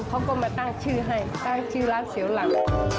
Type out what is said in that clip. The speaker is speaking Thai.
เขาก็มาตั้งชื่อให้ตั้งชื่อร้านเสียวหลัง